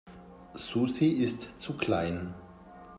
Susi ist zu klein.